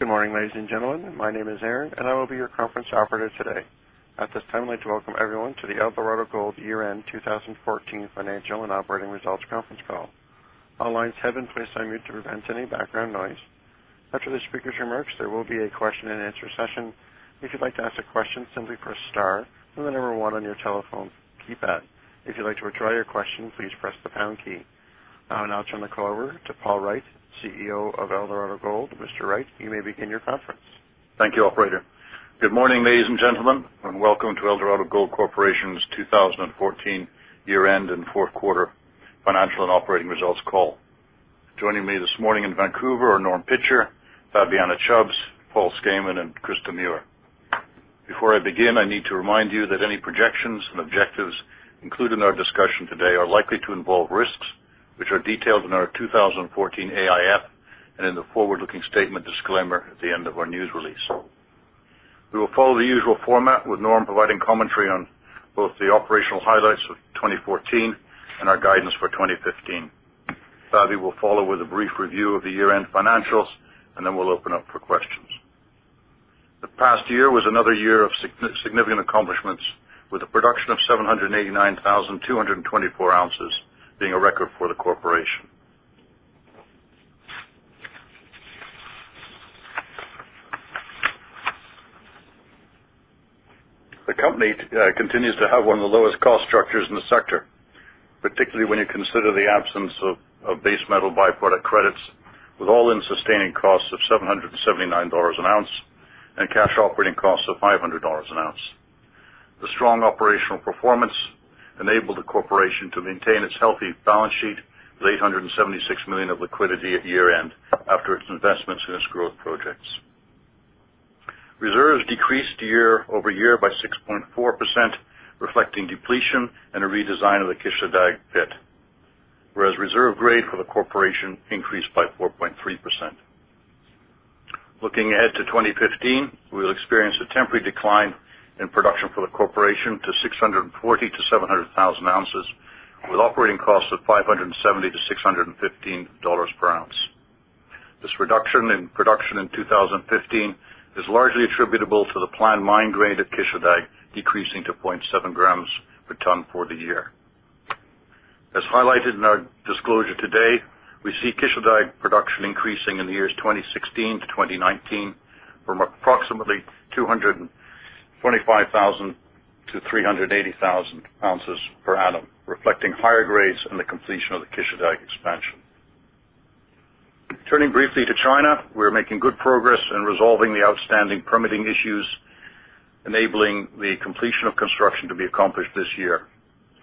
Good morning, ladies and gentlemen. My name is Aaron, and I will be your conference operator today. At this time, I'd like to welcome everyone to the Eldorado Gold year-end 2014 financial and operating results conference call. All lines have been placed on mute to prevent any background noise. After the speakers' remarks, there will be a question and answer session. If you'd like to ask a question, simply press star and the number one on your telephone keypad. If you'd like to withdraw your question, please press the pound key. I will now turn the call over to Paul Wright, CEO of Eldorado Gold. Mr. Wright, you may begin your conference. Thank you, operator. Good morning, ladies and gentlemen, and welcome to Eldorado Gold Corporation's 2014 year-end and fourth quarter financial and operating results call. Joining me this morning in Vancouver are Norm Pitcher, Fabiana Chubbs, Paul Skayman, and Krista Muhr. Before I begin, I need to remind you that any projections and objectives included in our discussion today are likely to involve risks, which are detailed in our 2014 AIF and in the forward-looking statement disclaimer at the end of our news release. We will follow the usual format, with Norm providing commentary on both the operational highlights of 2014 and our guidance for 2015. Faby will follow with a brief review of the year-end financials, and then we'll open up for questions. The past year was another year of significant accomplishments, with a production of 789,224 ounces being a record for the corporation. The company continues to have one of the lowest cost structures in the sector, particularly when you consider the absence of base metal by-product credits, with all-in sustaining costs of $779 an ounce and cash operating costs of $500 an ounce. The strong operational performance enabled the corporation to maintain its healthy balance sheet with $876 million of liquidity at year-end after its investments in its growth projects. Reserves decreased year-over-year by 6.4%, reflecting depletion and a redesign of the Kışladağ pit, whereas reserve grade for the corporation increased by 4.3%. Looking ahead to 2015, we'll experience a temporary decline in production for the corporation to 640,000 oz-700,000 oz, with operating costs of $570 oz-$615 oz. This reduction in production in 2015 is largely attributable to the planned mine grade at Kışladağ decreasing to 0.7 gm/t for the year. As highlighted in our disclosure today, we see Kışladağ production increasing in the years 2016 to 2019 from approximately 225,000 oz to 380,000 oz per annum, reflecting higher grades and the completion of the Kışladağ expansion. Turning briefly to China, we're making good progress in resolving the outstanding permitting issues, enabling the completion of construction to be accomplished this year.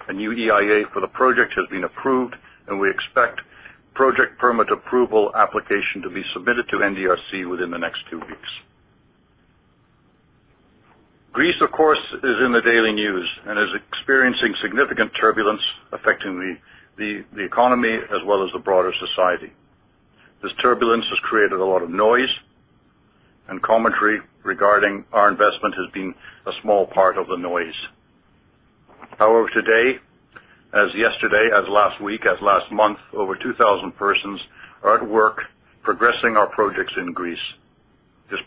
A new EIA for the project has been approved, and we expect project permit approval application to be submitted to NDRC within the next two weeks. Greece, of course, is in the daily news and is experiencing significant turbulence affecting the economy as well as the broader society. This turbulence has created a lot of noise, and commentary regarding our investment has been a small part of the noise. However, today, as yesterday, as last week, as last month, over 2,000 persons are at work progressing our projects in Greece. This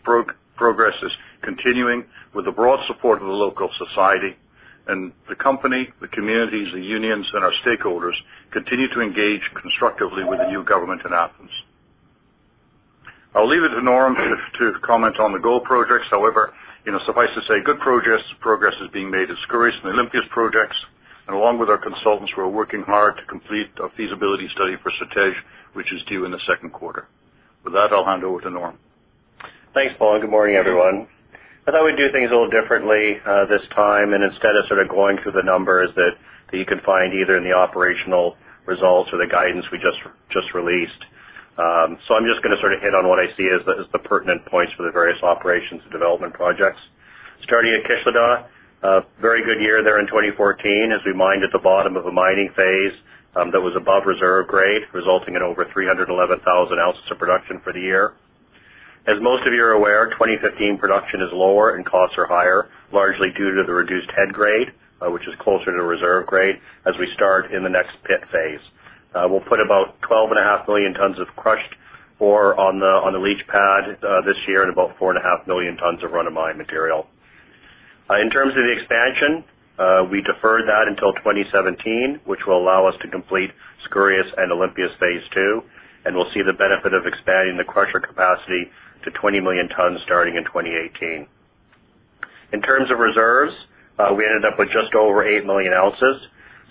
progress is continuing with the broad support of the local society, and the company, the communities, the unions, and our stakeholders continue to engage constructively with the new government in Athens. I'll leave it to Norm to comment on the gold projects. However, suffice to say, good progress is being made at Skouries and Olympias projects. Along with our consultants, we're working hard to complete a feasibility study for Certej, which is due in the second quarter. With that, I'll hand over to Norm. Thanks, Paul, and good morning, everyone. I thought we'd do things a little differently this time and instead of sort of going through the numbers that you can find either in the operational results or the guidance we just released. I'm just going to sort of hit on what I see as the pertinent points for the various operations and development projects. Starting at Kışladağ, a very good year there in 2014 as we mined at the bottom of a mining phase that was above reserve grade, resulting in over 311,000 oz of production for the year. As most of you are aware, 2015 production is lower and costs are higher, largely due to the reduced head grade, which is closer to reserve grade as we start in the next pit phase. We'll put about 12.5 million t of crushed ore on the leach pad this year and about 4.5 million t of run of mine material. In terms of the expansion, we deferred that until 2017, which will allow us to complete Skouries and Olympias Phase II, and we'll see the benefit of expanding the crusher capacity to 20 million tons starting in 2018. In terms of reserves, we ended up with just over 8 million oz.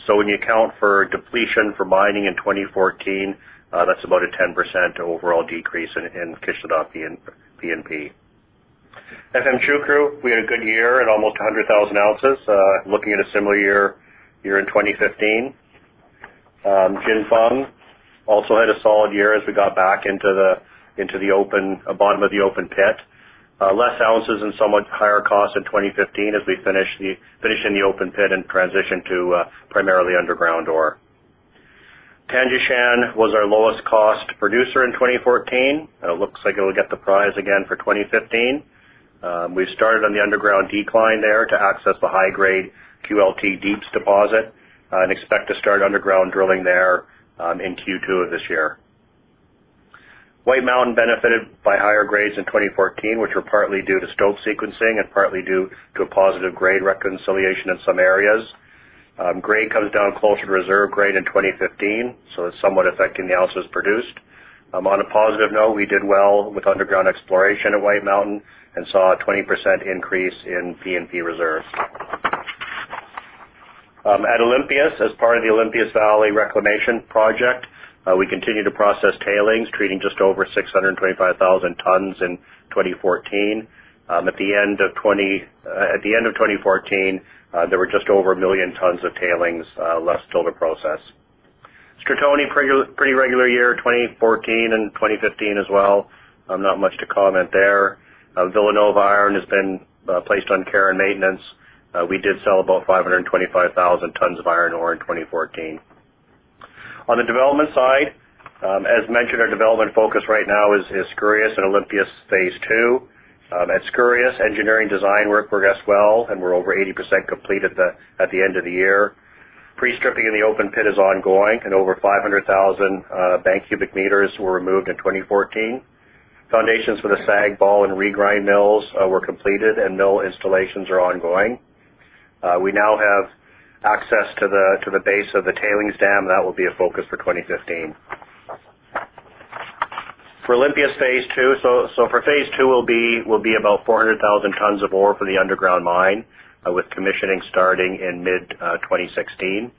When you account for depletion for mining in 2014, that's about a 10% overall decrease in Kışladağ P&P. Efemçukuru, we had a good year at almost 100,000 oz. Looking at a similar year in 2015. Jinfeng also had a solid year as we got back into the bottom of the open pit. Less ounces and somewhat higher cost in 2015 as we finish in the open pit and transition to primarily underground ore. Tanjianshan was our lowest cost producer in 2014. It looks like it will get the prize again for 2015. We've started on the underground decline there to access the high-grade QLT Deeps deposit, and expect to start underground drilling there in Q2 of this year. White Mountain benefited by higher grades in 2014, which were partly due to stope sequencing and partly due to a positive grade reconciliation in some areas. Grade comes down closer to reserve grade in 2015, so it's somewhat affecting the ounces produced. On a positive note, we did well with underground exploration at White Mountain and saw a 20% increase in P&P reserves. At Olympias, as part of the Olympias Valley Reclamation Project, we continue to process tailings, treating just over 625,000 t in 2014. At the end of 2014, there were just over 1 million t of tailings left still to process. Stratoni, pretty regular year 2014, and 2015 as well. Not much to comment there. Vila Nova Iron has been placed on care and maintenance. We did sell about 525,000 t of iron ore in 2014. On the development side, as mentioned, our development focus right now is Skouries and Olympias Phase II. At Skouries, engineering design work progressed well, and we're over 80% complete at the end of the year. Pre-stripping in the open pit is ongoing, and over 500,000 bcm were removed in 2014. Foundations for the SAG, ball, and regrind mills were completed, and mill installations are ongoing. We now have access to the base of the tailings dam, and that will be a focus for 2015. For Olympias Phase II, so for phase II will be about 400,000 t of ore for the underground mine, with commissioning starting in mid-2016.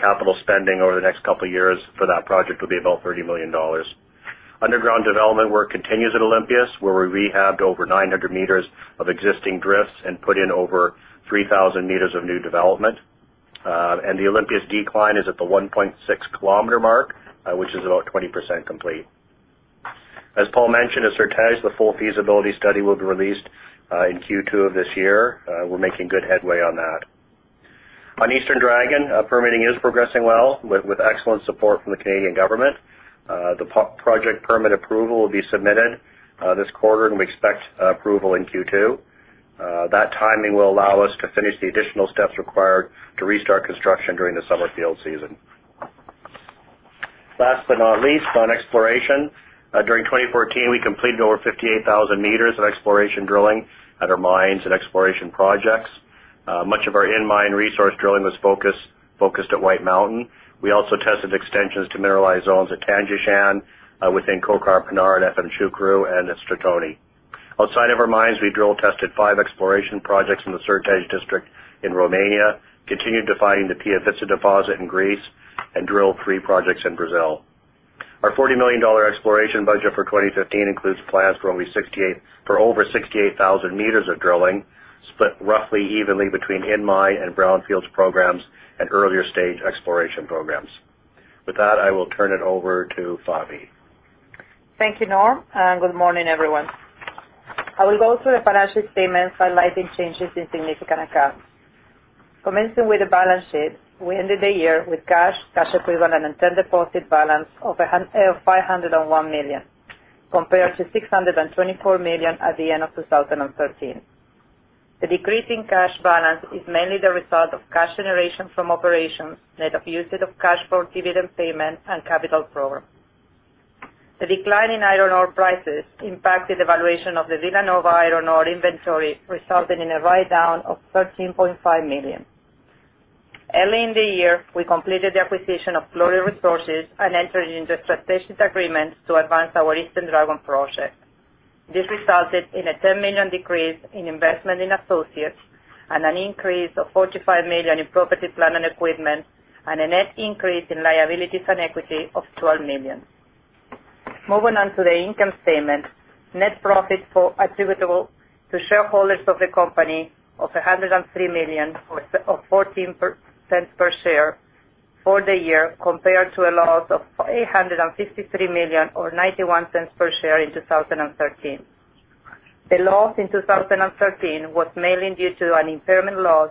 Capital spending over the next couple of years for that project will be about $30 million. Underground development work continues at Olympias, where we rehabbed over 900 m of existing drifts and put in over 3,000 m of new development. The Olympias decline is at the 1.6-km mark, which is about 20% complete. As Paul mentioned, at Certej, the full feasibility study will be released in Q2 of this year. We're making good headway on that. On Eastern Dragon, permitting is progressing well with excellent support from the Canadian government. The project permit approval will be submitted this quarter, and we expect approval in Q2. That timing will allow us to finish the additional steps required to restart construction during the summer field season. Last but not least, on exploration. During 2014, we completed over 58,000 m of exploration drilling at our mines and exploration projects. Much of our in-mine resource drilling was focused at White Mountain. We also tested extensions to mineralized zones at Tanjianshan, within Kokarpinar, and Efemçukuru, and at Stratoni. Outside of our mines, we drill tested five exploration projects in the Certej district in Romania, continued defining the Piavitsa deposit in Greece, and drilled three projects in Brazil. Our $40 million exploration budget for 2015 includes plans for over 68,000 m of drilling, split roughly evenly between in-mine and brownfields programs and earlier-stage exploration programs. With that, I will turn it over to Fabi. Thank you, Norm, and good morning, everyone. I will go through the financial statements, highlighting changes in significant accounts. Commencing with the balance sheet, we ended the year with cash equivalents, and term deposit balance of $501 million, compared to $624 million at the end of 2013. The decrease in cash balance is mainly the result of cash generation from operations, net of usage of cash for dividend payments and capital program. The decline in iron ore prices impacted the valuation of the Vila Nova iron ore inventory, resulting in a write-down of $13.5 million. Early in the year, we completed the acquisition of Glory Resources and entered into substitution agreements to advance our Eastern Dragon project. This resulted in a $10 million decrease in investment in associates and an increase of $45 million in property, plant, and equipment, and a net increase in liabilities and equity of $12 million. Moving on to the income statement. Net profit attributable to shareholders of the company of $103 million or $0.14 per share for the year, compared to a loss of $853 million or $0.91 per share in 2013. The loss in 2013 was mainly due to an impairment loss,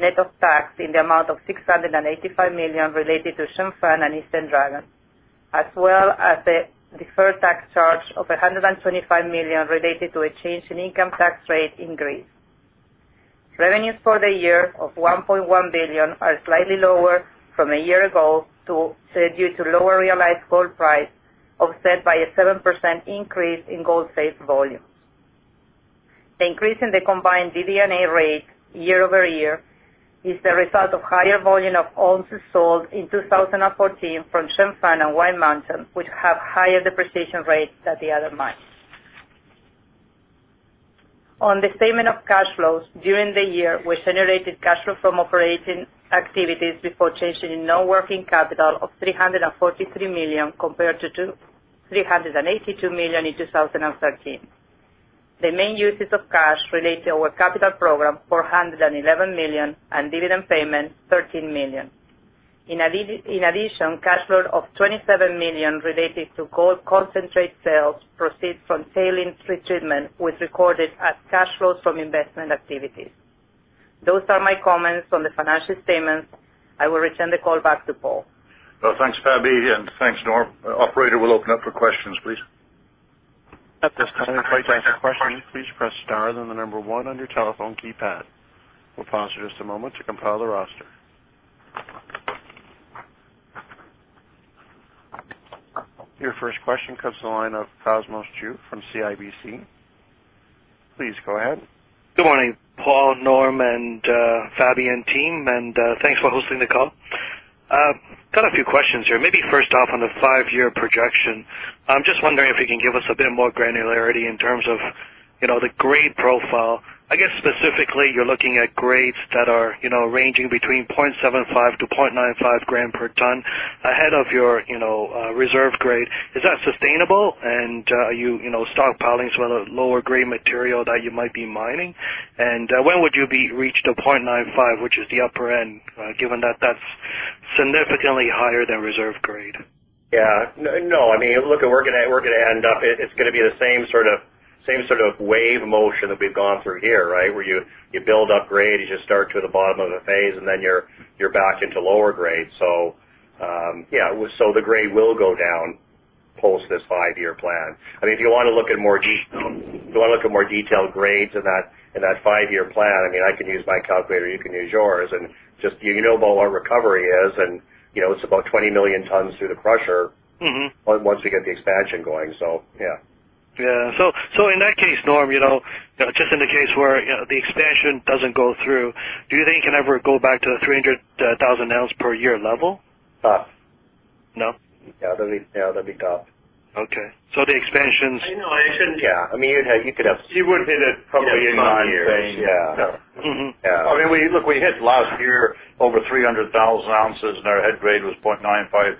net of tax in the amount of $685 million related to Jinfeng and Eastern Dragon, as well as a deferred tax charge of $125 million related to a change in income tax rate in Greece. Revenues for the year of $1.1 billion are slightly lower than a year ago due to lower realized gold price, offset by a 7% increase in gold sales volumes. The increase in the combined DD&A rate year-over-year is the result of higher volume of ounces sold in 2014 from Jinfeng and White Mountain, which have higher depreciation rates than the other mines. On the statement of cash flows, during the year, we generated cash flow from operating activities before changes in non-cash working capital of $343 million compared to $382 million in 2013. The main uses of cash relate to our capital program, $411 million, and dividend payment, $13 million. In addition, cash flow of $27 million related to gold concentrate sales proceeds from tailings treatment was recorded as cash flows from investing activities. Those are my comments on the financial statements. I will turn the call back to Paul. Well, thanks, Fabi, and thanks, Norm. Operator, we'll open up for questions, please. At this time, if you'd like to ask a question, please press star, then the number one on your telephone keypad. We'll pause for just a moment to compile the roster. Your first question comes to the line of Cosmos Chiu from CIBC. Please go ahead. Good morning, Paul, Norm, and Fabi, and team, and thanks for hosting the call. Got a few questions here. Maybe first off, on the five-year projection. I'm just wondering if you can give us a bit more granularity in terms of the grade profile. I guess specifically, you're looking at grades that are ranging between 0.75 g/t-0.95 g/t ahead of your reserve grade. Is that sustainable? And are you stockpiling some of the lower grade material that you might be mining? And when would you reach the 0.95, which is the upper end, given that that's significantly higher than reserve grade? Look, we're going to end up. It's going to be the same sort of wave motion that we've gone through here, right? Where you build up grade, you just start to the bottom of the phase, and then you're back into lower grade. Yeah. The grade will go down post this five-year plan. If you want to look at more detailed grades in that five-year plan, I can use my calculator, you can use yours. You know about what recovery is, and it's about 20 million t through the crusher. Mm-hmm. Once we get the expansion going. Yeah. Yeah. In that case, Norm, just in case where the expansion doesn't go through, do you think you can ever go back to the 300,000 oz per year level? Ah. No? Yeah, that'd be tough. Okay. The expansions. I know I shouldn't. Yeah. You would hit it probably in nine years. Yeah. Yeah. Mm-hmm. Yeah. Look, we hit last year over 300,000 oz, and our head grade was 0.95-1,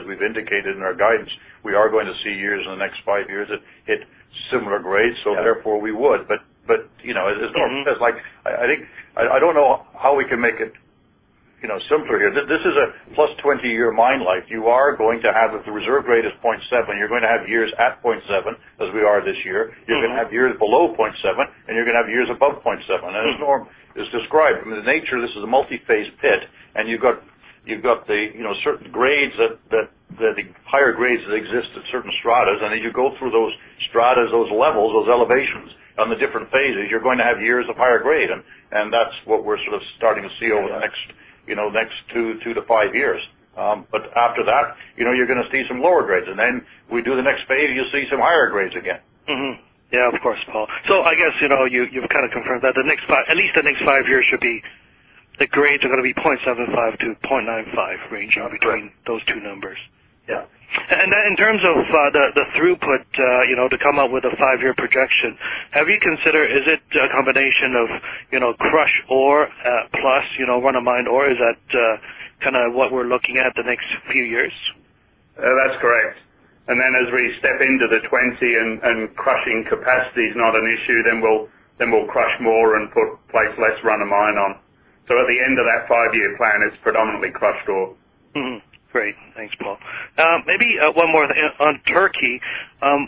as we've indicated in our guidance. We are going to see years in the next five years that hit similar grades. Yeah. Therefore we would. As Norm says, I don't know how we can make it simpler here. This is a 20+ year mine life. If the reserve grade is 0.7, you're going to have years at 0.7, as we are this year. Mm-hmm. You're going to have years below 0.7, and you're going to have years above 0.7. As Norm has described, from the nature, this is a multi-phase pit, and you've got certain grades that the higher grades that exist at certain strata. As you go through those strata, those levels, those elevations on the different phases, you're going to have years of higher grade. That's what we're sort of starting to see over the next two-five years. After that, you're going to see some lower grades, and then we do the next phase, you'll see some higher grades again. Mm-hmm. Yeah, of course, Paul. I guess, you've kind of confirmed that at least the next five years, the grades are going to be 0.75-0.95, ranging between those two numbers. Yeah. In terms of the throughput to come up with a five-year projection, have you considered, is it a combination of crushed ore plus run-of-mine ore? Is that kind of what we're looking at the next few years? That's correct. As we step into the 20 and crushing capacity is not an issue, then we'll crush more and place less run-of-mine on. At the end of that five-year plan, it's predominantly crushed ore. Mm-hmm. Great. Thanks, Paul. Maybe one more on Turkey.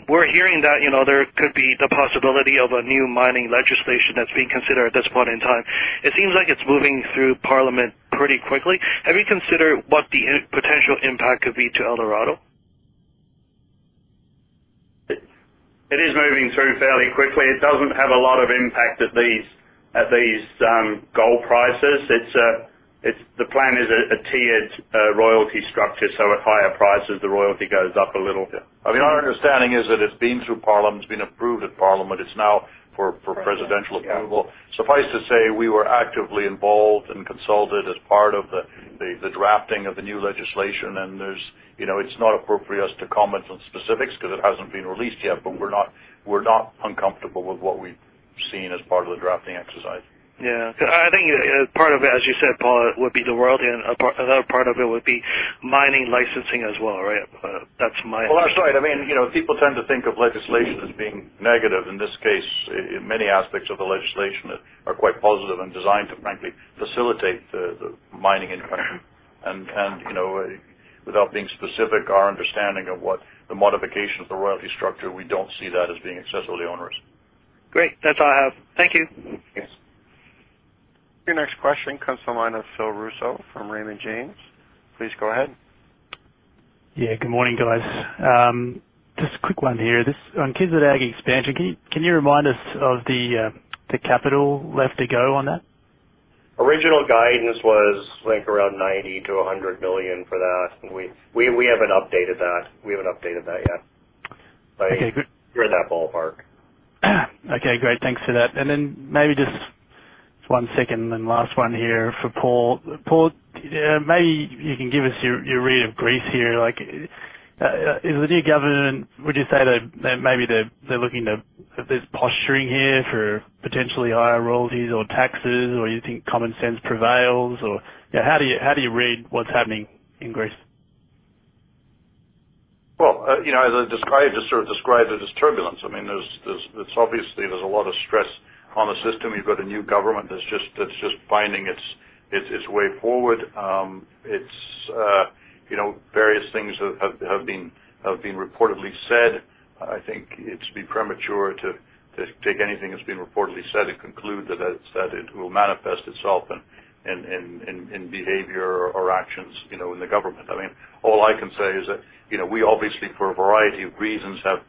We're hearing that there could be the possibility of a new mining legislation that's being considered at this point in time. It seems like it's moving through parliament pretty quickly. Have you considered what the potential impact could be to Eldorado? It is moving through fairly quickly. It doesn't have a lot of impact at these gold prices. The plan is a tiered royalty structure, so at higher prices, the royalty goes up a little. Yeah. Our understanding is that it's been through parliament, it's been approved at parliament. It's now for presidential approval. Suffice to say, we were actively involved and consulted as part of the drafting of the new legislation, and it's not appropriate for us to comment on specifics because it hasn't been released yet, but we're not uncomfortable with what we've seen as part of the drafting exercise. Yeah. I think part of it, as you said, Paul, would be the royalty, and another part of it would be mining licensing as well, right? That's my understanding. Well, that's right. People tend to think of legislation as being negative. In this case, many aspects of the legislation are quite positive and designed to frankly facilitate the mining in the country. Without being specific, our understanding of what the modification of the royalty structure, we don't see that as being excessively onerous. Great. That's all I have. Thank you. Yes. Your next question comes from the line of Phil Russo from Raymond James. Please go ahead. Yeah, good morning, guys. Just a quick one here. On Kışladağ expansion, can you remind us of the capital left to go on that? Original guidance was, I think, around $90 million-$100 million for that. We haven't updated that yet. Okay, good. You're in that ballpark. Okay, great. Thanks for that. Maybe just one second and last one here for Paul. Paul, maybe you can give us your read of Greece here. Is the new government, would you say that maybe they're looking to, if there's posturing here for potentially higher royalties or taxes, or you think common sense prevails, or how do you read what's happening in Greece? Well, as I described, it is turbulence. Obviously, there's a lot of stress on the system. You've got a new government that's just finding its way forward. Various things have been reportedly said. I think it's premature to take anything that's been reportedly said and conclude that it will manifest itself in behavior or actions in the government. All I can say is that we obviously, for a variety of reasons, have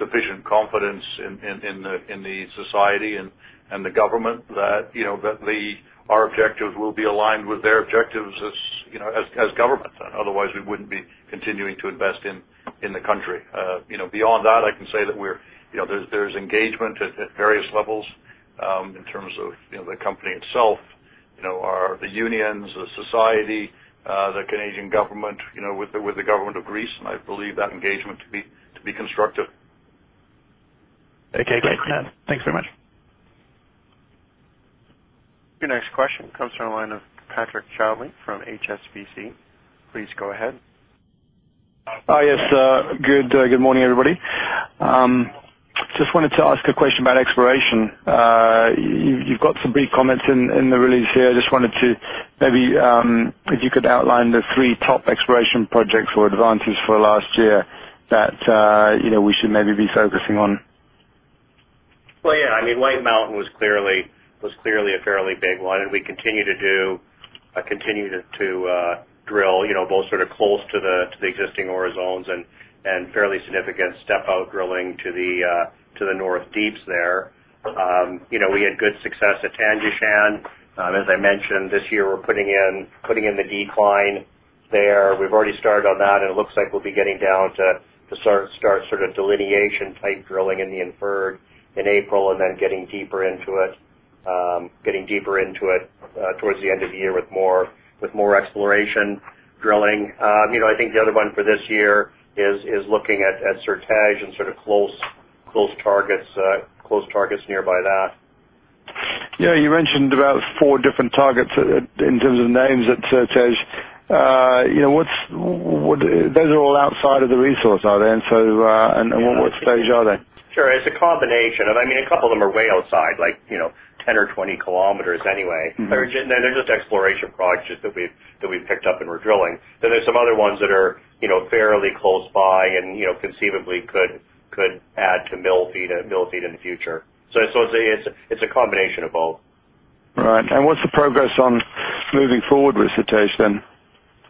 sufficient confidence in the society and the government that our objectives will be aligned with their objectives as government. Otherwise, we wouldn't be continuing to invest in the country. Beyond that, I can say that there's engagement at various levels, in terms of the company itself, the unions, the society, the Canadian government with the government of Greece, and I believe that engagement to be constructive. Okay. Thanks very much. Your next question comes from the line of Patrick Chidley from HSBC. Please go ahead. Hi, yes. Good morning, everybody. Just wanted to ask a question about exploration. You've got some brief comments in the release here. Just wanted to maybe, if you could outline the three top exploration projects or advances for last year that we should maybe be focusing on. Well, yeah. White Mountain was clearly a fairly big one, and we continue to drill both close to the existing ore zones and fairly significant step-out drilling to the north deeps there. We had good success at Tanjianshan. As I mentioned this year, we're putting in the decline there. We've already started on that, and it looks like we'll be getting down to start delineation-type drilling in the inferred in April and then getting deeper into it towards the end of the year with more exploration drilling. I think the other one for this year is looking at Certej and close targets nearby that. Yeah, you mentioned about four different targets in terms of names at Certej. Those are all outside of the resource, are they? What stage are they? Sure. It's a combination. A couple of them are way outside, like 10 or 20 km anyway. Mm-hmm. They're just exploration projects that we've picked up and we're drilling. There's some other ones that are fairly close by and conceivably could add to mill feed in the future. I'd say it's a combination of both. Right. What's the progress on moving forward with Certej then?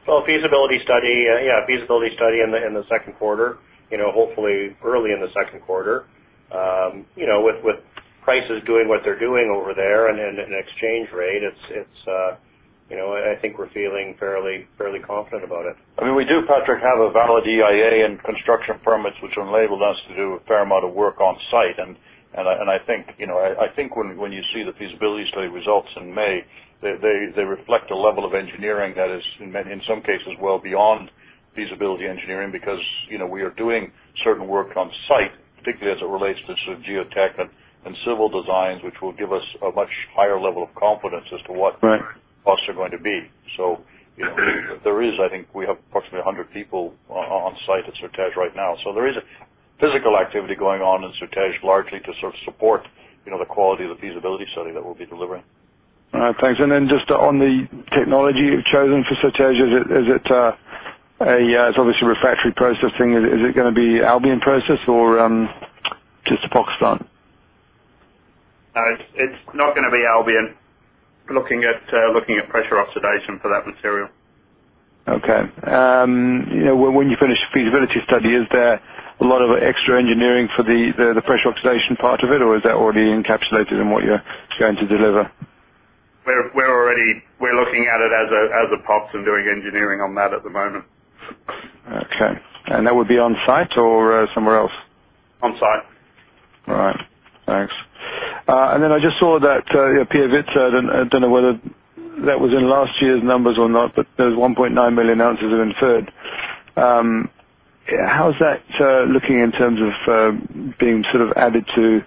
Well, feasibility study in the second quarter. Hopefully early in the second quarter. With prices doing what they're doing over there and an exchange rate, I think we're feeling fairly confident about it. We do, Patrick, have a valid EIA and construction permits, which enabled us to do a fair amount of work on site. I think when you see the feasibility study results in May, they reflect a level of engineering that is, in some cases, well beyond feasibility engineering, because we are doing certain work on site, particularly as it relates to geotech and civil designs, which will give us a much higher level of confidence as to what. Right Costs are going to be. I think we have approximately 100 people on site at Certej right now. There is physical activity going on in Certej largely to support the quality of the feasibility study that we'll be delivering. All right. Thanks. Just on the technology you've chosen for Certej, it's obviously refractory processing. Is it going to be Albion process or just a POX plant? No, it's not going to be Albion. Looking at pressure oxidation for that material. Okay. When you finish the feasibility study, is there a lot of extra engineering for the pressure oxidation part of it, or is that already encapsulated in what you're going to deliver? We're looking at it as a POX and doing engineering on that at the moment. Okay. That would be on site or somewhere else? On site. All right. Thanks. I just saw that Piavitsa, I don't know whether that was in last year's numbers or not, but there's 1.9 million ounces of inferred. How's that looking in terms of being added to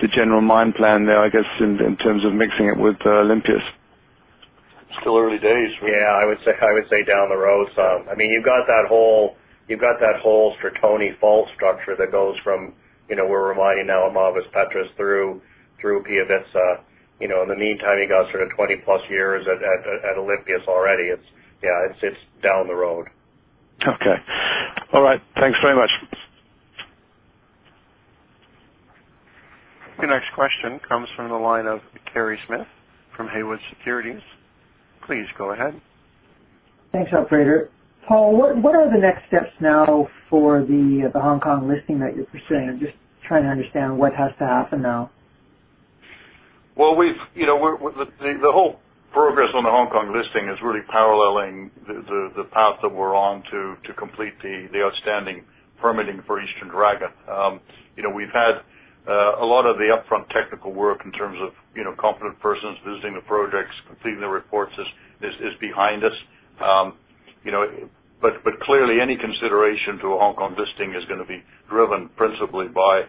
the general mine plan now, I guess, in terms of mixing it with Olympias? Still early days. Yeah, I would say down the road some. You've got that whole Stratoni Fault structure that goes from where we're mining now at Mavres Petres through Piavitsa. In the meantime, you've got sort of 20+ years at Olympias already. It's down the road. Okay. All right. Thanks very much. Your next question comes from the line of Kerry Smith from Haywood Securities. Please go ahead. Thanks, operator. Paul, what are the next steps now for the Hong Kong listing that you're pursuing? I'm just trying to understand what has to happen now. Well, the whole progress on the Hong Kong listing is really paralleling the path that we're on to complete the outstanding permitting for Eastern Dragon. We've had a lot of the upfront technical work in terms of competent persons visiting the projects, completing the reports is behind us. But clearly, any consideration to a Hong Kong listing is going to be driven principally by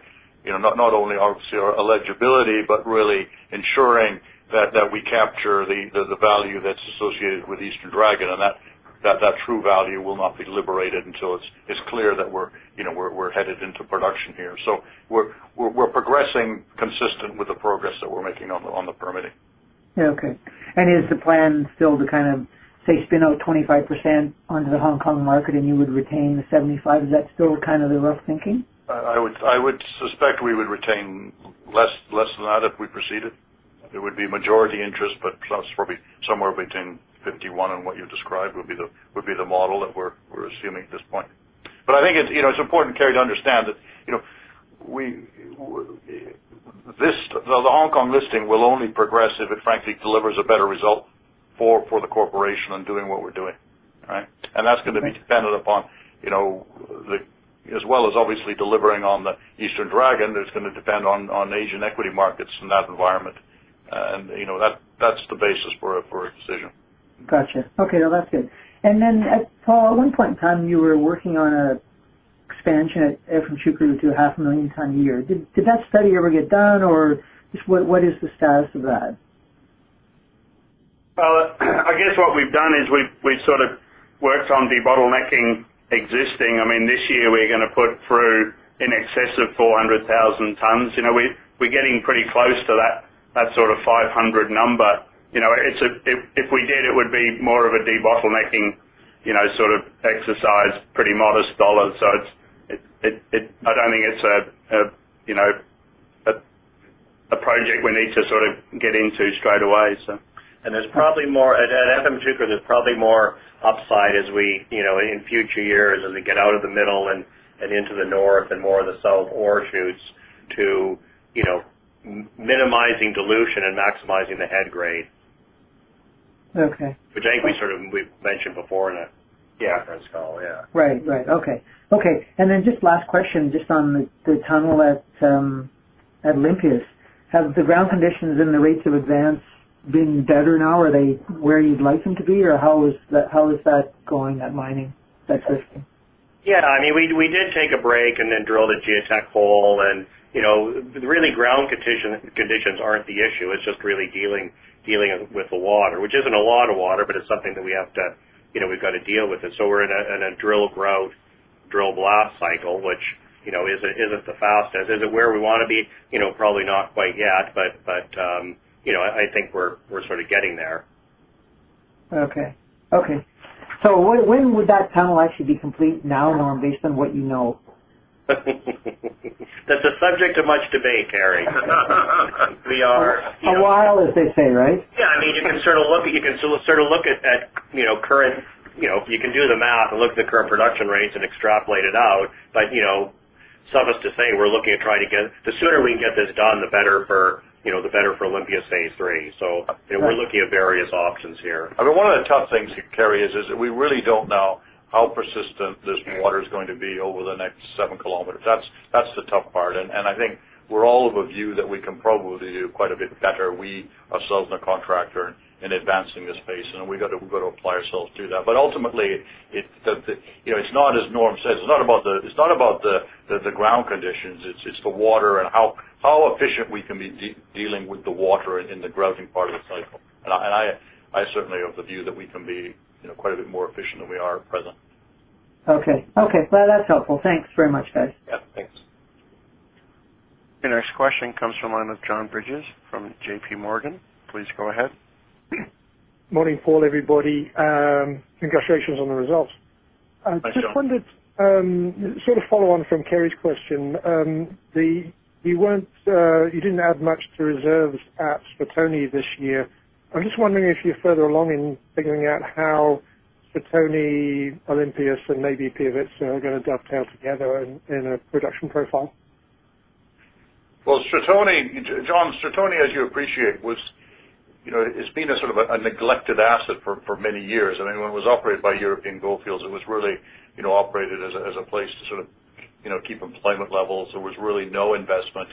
not only obviously our eligibility, but really ensuring that we capture the value that's associated with Eastern Dragon and that true value will not be liberated until it's clear that we're headed into production here. We're progressing consistent with the progress that we're making on the permitting. Okay. Is the plan still to say spin out 25% onto the Hong Kong market and you would retain 75%? Is that still the rough thinking? I would suspect we would retain less than that if we proceeded. There would be majority interest, but plus probably somewhere between 51% and what you described would be the model that we're assuming at this point. I think it's important, Kerry, to understand that the Hong Kong listing will only progress if it frankly delivers a better result for the corporation on doing what we're doing. Right? Right. That's going to be dependent upon, as well as obviously delivering on the Eastern Dragon, it's going to depend on Asian equity markets in that environment. That's the basis for a decision. Got you. Okay, that's good. Paul, at one point in time, you were working on an expansion at Efemçukuru to 500,000 t a year. Did that study ever get done, or just what is the status of that? Well, I guess what we've done is we've sort of worked on debottlenecking existing. This year, we're going to put through in excess of 400,000 t. We're getting pretty close to that sort of 500 number. If we did, it would be more of a debottlenecking sort of exercise, pretty modest dollars. I don't think it's a project we need to get into straight away. At Efemçukuru there's probably more upside as we, in future years as we get out of the middle and into the north and more of the south ore shoots to minimizing dilution and maximizing the head grade. Okay. Which I think we mentioned before in a conference call, yeah. Right. Okay. Just last question, just on the tunnel at Olympias. Have the ground conditions and the rates of advance been better now? Are they where you'd like them to be? Or how is that going, that mining, that system? Yeah. We did take a break and then drill the geotech hole and really ground conditions aren't the issue. It's just really dealing with the water, which isn't a lot of water, but it's something that we've got to deal with. We're in a drill grout, drill blast cycle, which isn't the fastest. Is it where we want to be? Probably not quite yet, but I think we're sort of getting there. Okay. When would that tunnel actually be complete now, Norm, based on what you know? That's a subject of much debate, Kerry. We are A while, as they say, right? Yeah. You can sort of look at current, you can do the math and look at the current production rates and extrapolate it out, but suffice to say, the sooner we can get this done, the better for Olympias Stage 3. We're looking at various options here. One of the tough things, Kerry, is that we really don't know how persistent this water's going to be over the next 7 km. That's the tough part, and I think we're all of a view that we can probably do quite a bit better, we ourselves and the contractor, in advancing this space, and we've got to apply ourselves to that. But ultimately, it's not, as Norm says, it's not about the ground conditions, it's the water and how efficient we can be dealing with the water in the grouting part of the cycle. I certainly am of the view that we can be quite a bit more efficient than we are at present. Okay. That's helpful. Thanks very much, guys. Yeah, thanks. Your next question comes from the line of John Bridges from JPMorgan. Please go ahead. Morning, Paul, everybody, and congratulations on the results. Thank you. Just wondered, sort of follow on from Kerry's question. You didn't add much to reserves at Stratoni this year. I'm just wondering if you're further along in figuring out how Stratoni, Olympias, and maybe Piavitsa are going to dovetail together in a production profile. Well, John, Stratoni, as you appreciate, it's been a sort of a neglected asset for many years. When it was operated by European Goldfields, it was really operated as a place to sort of keep employment levels. There was really no investment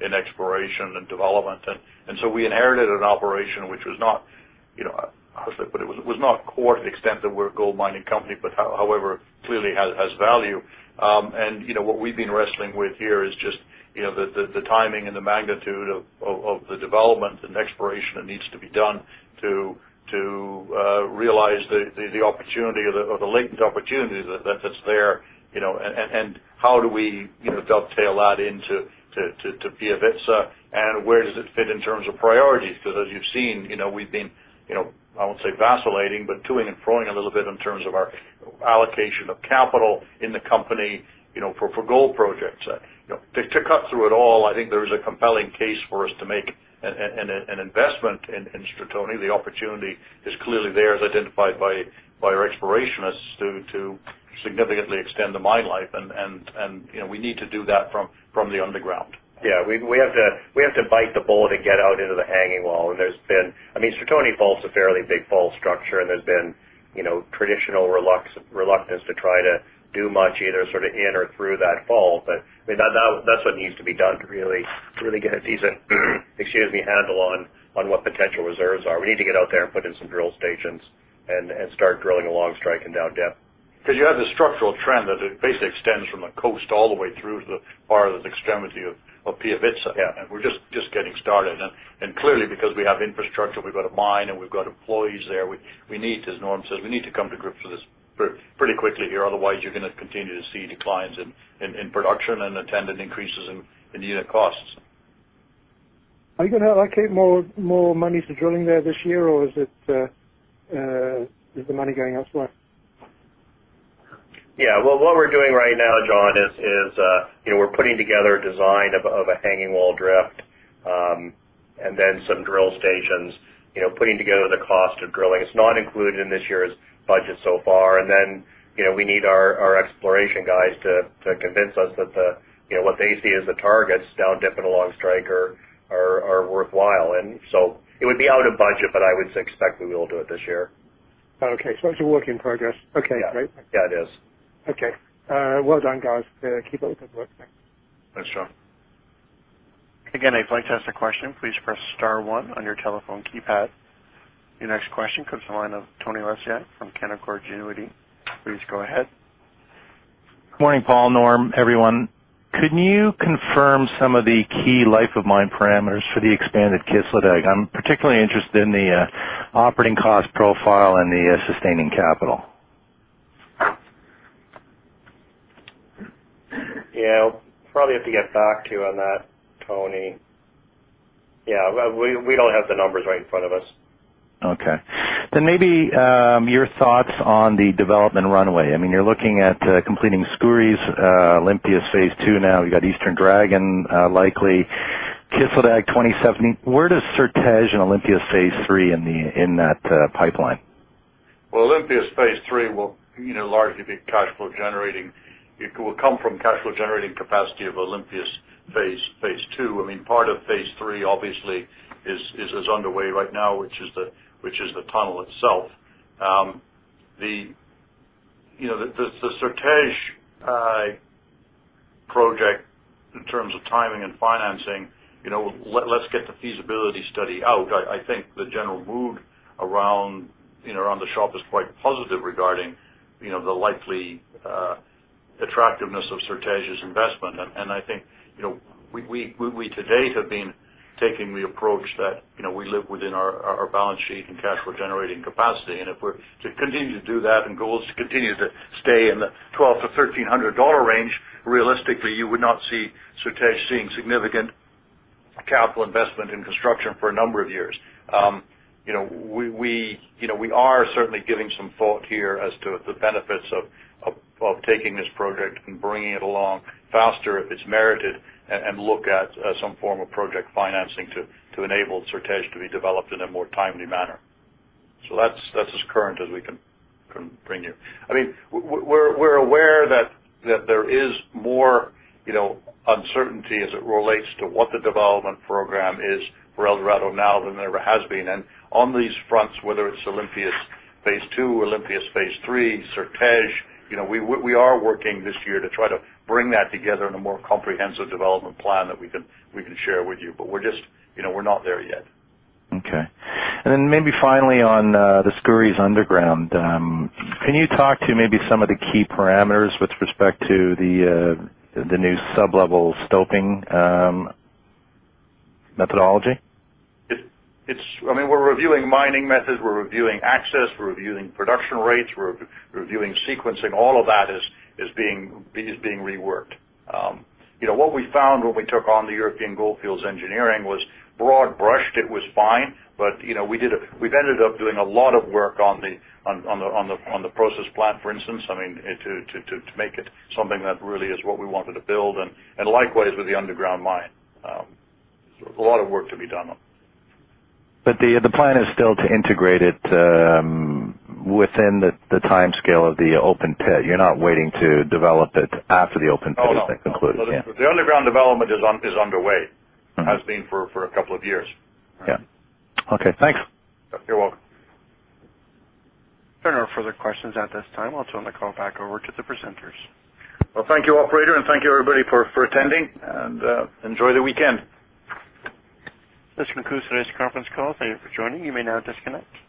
in exploration and development. We inherited an operation which was not, how to put it was not core to the extent that we're a gold mining company, but however, clearly has value. What we've been wrestling with here is just the timing and the magnitude of the development and exploration that needs to be done to realize the opportunity or the latent opportunity that sits there and how do we dovetail that into Piavitsa and where does it fit in terms of priorities? Because as you've seen, we've been. I won't say vacillating, but to-ing and fro-ing a little bit in terms of our allocation of capital in the company for gold projects. To cut through it all, I think there is a compelling case for us to make an investment in Stratoni. The opportunity is clearly there as identified by our explorationists to significantly extend the mine life, and we need to do that from the underground. Yeah. We have to bite the bullet and get out into the hanging wall. There's been Stratoni Fault's a fairly big fault structure, and there's been traditional reluctance to try to do much either sort of in or through that fault. That's what needs to be done to really get a decent, excuse me, handle on what potential reserves are. We need to get out there and put in some drill stations and start drilling along strike and down depth. Because you have the structural trend that basically extends from the coast all the way through to the farthest extremity of Piavitsa. Yeah. We're just getting started. Clearly because we have infrastructure, we've got a mine, and we've got employees there, as Norm says, we need to come to grips with this pretty quickly here. Otherwise, you're going to continue to see declines in production and attendant increases in unit costs. Are you going to allocate more money to drilling there this year, or is the money going elsewhere? Yeah. What we're doing right now, John, is, we're putting together a design of a hanging wall drift, and then some drill stations, putting together the cost of drilling. It's not included in this year's budget so far. We need our exploration guys to convince us that what they see as the targets down dip and along strike are worthwhile. It would be out of budget, but I would expect we will do it this year. Okay. It's a work in progress. Okay, great. Yeah, it is. Okay. Well done, guys. Keep up the good work. Thanks. Thanks, John. Again, if you'd like to ask a question, please press star one on your telephone keypad. Your next question comes from the line of Tony Lesiak from Canaccord Genuity. Please go ahead. Good morning, Paul, Norm, everyone. Could you confirm some of the key life of mine parameters for the expanded Kışladağ? I'm particularly interested in the operating cost profile and the sustaining capital. Yeah, I'll probably have to get back to you on that, Tony. Yeah, we don't have the numbers right in front of us. Okay. Maybe your thoughts on the development runway. You're looking at completing Skouries, Olympias Phase II now. You've got Eastern Dragon, likely Kışladağ 2017. Where does Certej and Olympias Phase III fit in that pipeline? Well, Olympias Phase III will largely be cash flow generating. It will come from cash flow generating capacity of Olympias Phase II. Part of Phase III, obviously, is underway right now, which is the tunnel itself. The Certej project in terms of timing and financing, let's get the feasibility study out. I think the general mood around the shop is quite positive regarding the likely attractiveness of Certej's investment. I think, we to date have been taking the approach that we live within our balance sheet and cash flow generating capacity, and if we're to continue to do that and gold is to continue to stay in the $1,200-$1,300 range, realistically, you would not see Certej seeing significant capital investment in construction for a number of years. We are certainly giving some thought here as to the benefits of taking this project and bringing it along faster if it's merited and look at some form of project financing to enable Certej to be developed in a more timely manner. That's as current as we can bring you. We're aware that there is more uncertainty as it relates to what the development program is for Eldorado now than there ever has been. On these fronts, whether it's Olympias Phase II, Olympias Phase III, Certej, we are working this year to try to bring that together in a more comprehensive development plan that we can share with you. We're not there yet. Okay. Maybe finally on the Skouries underground, can you talk to maybe some of the key parameters with respect to the new sublevel stoping methodology? We're reviewing mining methods. We're reviewing access. We're reviewing production rates. We're reviewing sequencing. All of that is being reworked. What we found when we took on the European Goldfields engineering was broad-brushed, it was fine, but we've ended up doing a lot of work on the process plant, for instance, to make it something that really is what we wanted to build, and likewise with the underground mine. A lot of work to be done. The plan is still to integrate it within the timescale of the open pit. You're not waiting to develop it after the open pit is concluded. Oh, no. The underground development is underway. Mm-hmm. Has been for a couple of years. Yeah. Okay, thanks. You're welcome. There are no further questions at this time. I'll turn the call back over to the presenters. Well, thank you, operator, and thank you, everybody, for attending, and enjoy the weekend. This concludes today's conference call. Thank you for joining. You may now disconnect.